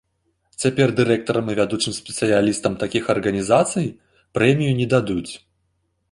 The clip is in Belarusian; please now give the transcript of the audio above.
Цяпер дырэктарам і вядучым спецыялістам такіх арганізацыі прэмію не дадуць.